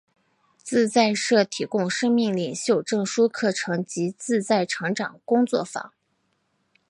自在社提供生命领袖证书课程及自在成长工作坊。